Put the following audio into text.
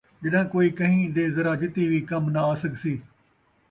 ڄَݙاں کوئی کہیں دے ذرا جِتی وِی کم نہ آ سڳسی،